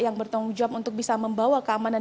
yang bertanggung jawab untuk bisa membawa keamanan